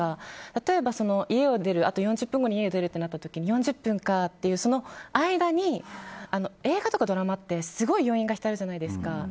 例えば、あと４０分後に家を出るってなった時に４０分かっていうその間に映画とかドラマってすごい余韻が浸るじゃないですか。